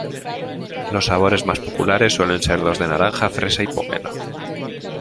Los sabores más populares suelen ser los de naranja, fresa, y pomelo.